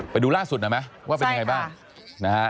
ไปดูล่าสุดหน่อยไหมว่าเป็นยังไงบ้างนะฮะ